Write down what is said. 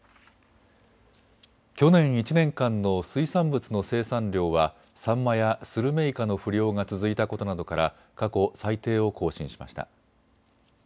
去年１年間の水産物の生産量はサンマやスルメイカの不漁が続いたことなどから過去最低を更新しました。